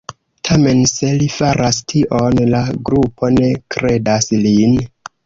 Tamen, se li faras tion, la grupo ne kredas lin.